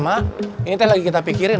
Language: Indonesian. sampai jumpa harian